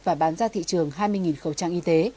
và bán ra thị trường hai mươi khẩu trang y tế